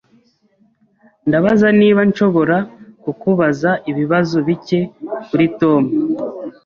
Ndabaza niba nshobora kukubaza ibibazo bike kuri Tom.